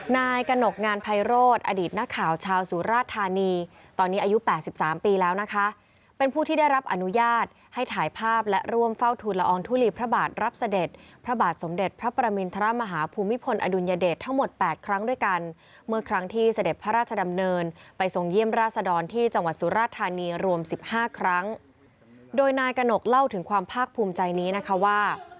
นายกระหนกงานภัยโรศอดีตหน้าข่าวชาวสุราธารณีตอนนี้อายุ๘๓ปีแล้วนะคะเป็นผู้ที่ได้รับอนุญาตให้ถ่ายภาพและร่วมเฝ้าถูลอองทุลีพระบาทรับเสด็จพระบาทสมเด็จพระประมินทรมาฮภูมิพลอดุลยเดชทั้งหมด๘ครั้งด้วยกันเมื่อครั้งที่เสด็จพระราชดำเนินไปส่งเยี่ยมราษฎรที่จังหวัดสุรา